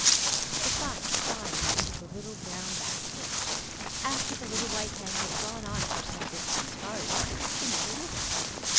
The fox climbed into the little brown basket. After the little white hen had gone on for some distance farther she met a river.